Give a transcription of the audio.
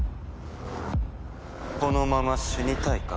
このまま死にたいか？